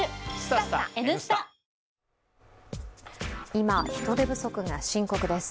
今、人手不足が深刻です。